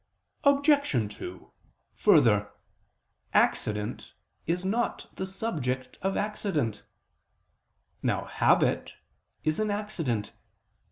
Obj. 2: Further, accident is not the subject of accident. Now habit is an accident.